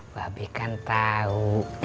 babi kan tau